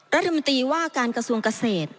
รัฐมนตรีว่าการกระทรวงเกษตร